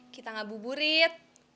kita gak buburit